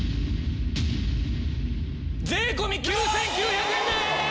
税込９９００円です！